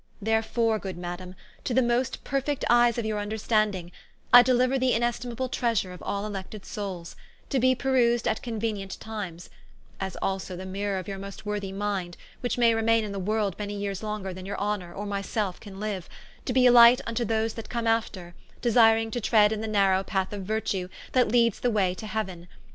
Therefore good Madame, to the most perfect eyes of your vnderstanding, I deliuer the inestimable treasure of all elected soules, to bee perused at conuenient times; as also, the mirrour of your most worthy minde, which may remaine in the world many yeares longer than your Honour, or my selfe can liue, to be a light vnto those that come after, desiring to tread in the narrow path of virtue, that leads the way to heauen.